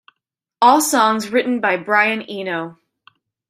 All songs written by Brian Eno.